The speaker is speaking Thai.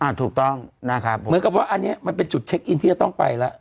ถูกต้องนะครับเหมือนกับว่าอันนี้มันเป็นจุดเช็คอินที่จะต้องไปแล้ว